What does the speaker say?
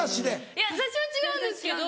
いや雑誌は違うんですけど。